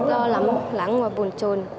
tâm trạng em rất lo lắng và buồn trồn